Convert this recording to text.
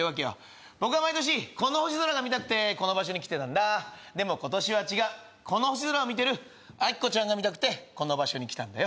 僕は毎年この星空が見たくてこの場所に来てたんだでも今年は違うこの星空を見てるアキコちゃんが見たくてこの場所に来たんだよ